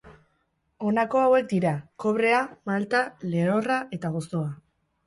Honako hauek dira: kobrea, malta, lehorra eta gozoa.